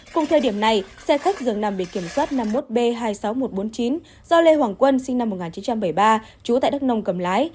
cùng thời điểm này xe khách dường nằm bị kiểm soát năm mươi một b hai mươi sáu nghìn một trăm bốn mươi chín do lê hoàng quân sinh năm một nghìn chín trăm bảy mươi ba trú tại đắk nông cầm lái